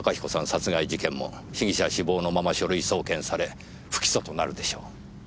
殺害事件も被疑者死亡のまま書類送検され不起訴となるでしょう。